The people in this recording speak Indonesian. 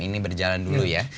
ini berjalan dulu ya